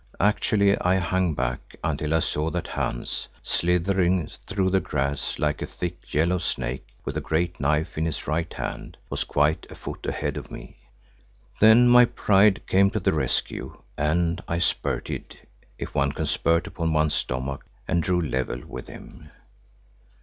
Actually I hung back until I saw that Hans slithering through the grass like a thick yellow snake with the great knife in his right hand, was quite a foot ahead of me. Then my pride came to the rescue and I spurted, if one can spurt upon one's stomach, and drew level with him.